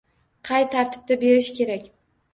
Qay tartibda berish kerak?